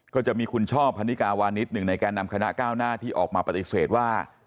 ก็จะมีคุณช่อพันนิกาวานิสหนึ่งในแก่นำคณะก้าวหน้าที่ออกมาปฏิเสธว่า